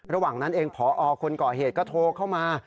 ระหว่างนั้นเองพอคนก่อเหตุก็โทรเข้ามา